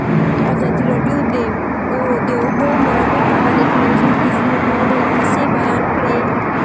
ازادي راډیو د د اوبو منابع په اړه د نېکمرغۍ کیسې بیان کړې.